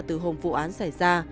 từ hôm vụ án xảy ra